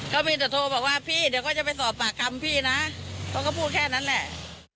ก็มีแต่โทรบอกว่าพี่เดี๋ยวก็จะไปสอบปากคำพี่นะเขาก็พูดแค่นั้นแหละ